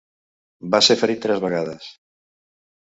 Va ser ferit tres vegades.